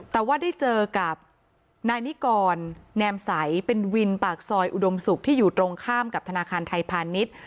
แต่ว่าได้เจอกับนายนิกรแนมใสเป็นวินปากซอยอุดมศุกร์ที่อยู่ตรงข้ามกับธนาคารไทยพาณิชย์